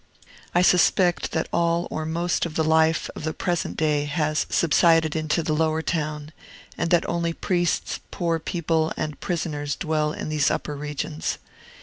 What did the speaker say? I suspect that all or most of the life of the present day has subsided into the lower town, and that only priests, poor people, and prisoners dwell in these upper regions.